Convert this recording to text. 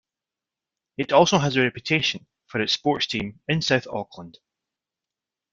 It also has a reputation for its sports teams in South Auckland.